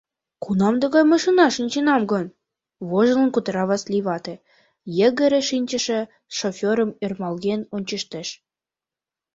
— Кунам тыгай машинаш шинчынам гын? — вожылын кутыра Васлий вате, йыгыре шинчыше шоферым ӧрмалген ончыштеш.